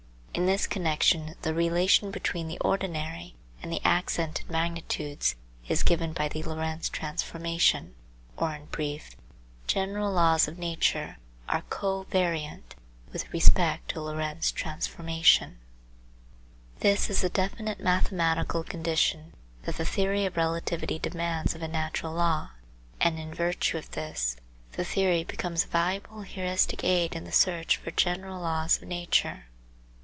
In this connection the relation between the ordinary and the accented magnitudes is given by the Lorentz transformation. Or in brief : General laws of nature are co variant with respect to Lorentz transformations. This is a definite mathematical condition that the theory of relativity demands of a natural law, and in virtue of this, the theory becomes a valuable heuristic aid in the search for general laws of nature.